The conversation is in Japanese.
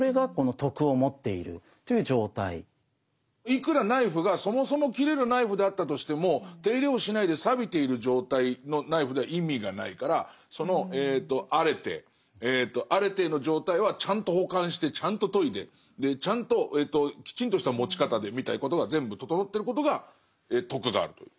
いくらナイフがそもそも切れるナイフであったとしても手入れをしないでさびている状態のナイフでは意味がないからそのアレテーアレテーの状態はちゃんと保管してちゃんと研いでちゃんときちんとした持ち方でみたいなことが全部整ってることが「徳がある」という。